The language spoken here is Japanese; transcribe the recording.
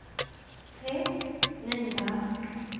えっ？何が？